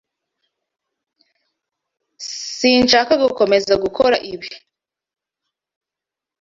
Sinshaka gukomeza gukora ibi.